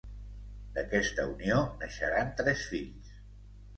D'aquesta unió naixeran tres fills: